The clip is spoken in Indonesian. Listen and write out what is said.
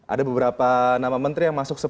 ada beberapa nama menteri yang masih dikawal